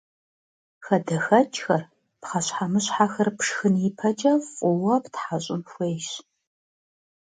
ХадэхэкӀхэр, пхъэщхьэмыщхьэхэр пшхын ипэкӀэ фӀыуэ птхьэщӀын хуейщ.